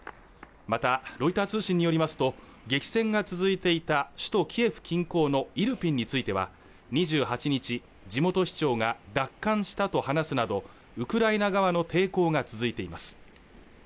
またロイター通信によりますと激戦が続いていた首都キエフ近郊のイルピンについては２８日地元市長が奪還したと話すなどウクライナ側の抵抗が続いています